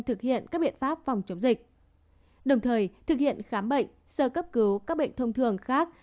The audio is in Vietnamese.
thực hiện các biện pháp phòng chống dịch đồng thời thực hiện khám bệnh sơ cấp cứu các bệnh thông thường khác